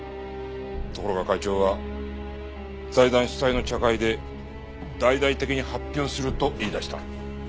ところが会長は財団主催の茶会で大々的に発表すると言い出した。